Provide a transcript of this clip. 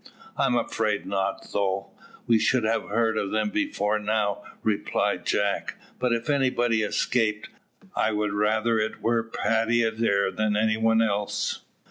"I'm afraid not, though; we should have heard of them before now," replied Jack. "But if anybody escaped, I would rather it were Paddy Adair than any one else."